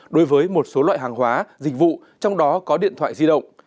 đối với một số loại hàng hóa dịch vụ trong đó có điện thoại di động